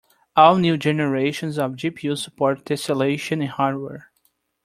All new generations of GPUs support tesselation in hardware.